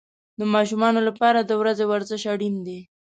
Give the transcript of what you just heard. د ماشومانو لپاره د ورځې ورزش اړین دی.